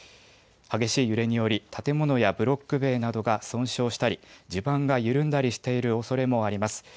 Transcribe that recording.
激しい揺れにより建物やブロック塀などが損傷したり地盤が緩んだりしているおそれもあります。